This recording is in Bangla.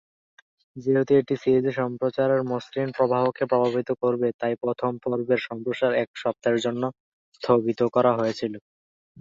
যেহেতু এটি সিরিজের সম্প্রচারের মসৃণ প্রবাহকে প্রভাবিত করবে, তাই প্রথম পর্বের সম্প্রচার এক সপ্তাহের জন্য স্থগিত করা হয়েছিল।